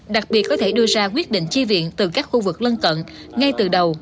đặc biệt có thể đưa ra quyết định chi viện từ các khu vực lân cận ngay từ đầu